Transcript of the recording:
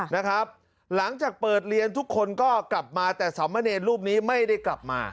หลังจากเปิดเรียนทุกคนก็กลับมาแต่สามเณรรูปนี้ไม่ได้กลับมา